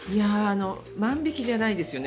万引きじゃないですよね。